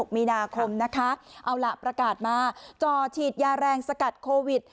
มีนาคมนะคะเอาล่ะประกาศมาจอฉีดยาแรงสกัดโควิด